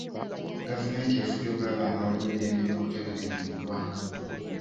Gavumenti efubye okulaba nga waliwo eddembe n'obutebenkevu mu ggwanga.